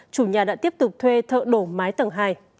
chủ nhà đã tiếp tục thuê thợ đổ mái tầng hai